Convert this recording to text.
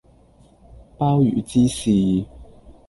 鮑魚之肆